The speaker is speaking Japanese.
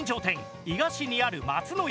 伊賀市にある松の家。